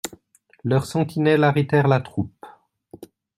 Leurs sentinelles arrêtèrent la troupe.